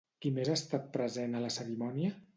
Qui més ha estat present a la cerimònia?